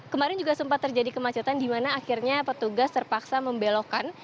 kemarin juga sempat terjadi kemacetan di mana akhirnya petugas terpaksa membelokkan